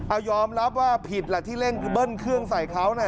อายอมรับว่าผิดที่เล่นเบิ้ลเครื่องใส่เขา